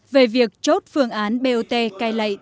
về việc chốt phương án bot cai lệ